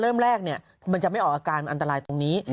เริ่มแรกมันจะไม่ออกอาการมันอันตรายตรงนี้